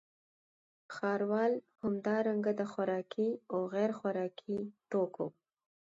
ښاروال همدارنګه د خوراکي او غیرخوراکي توکو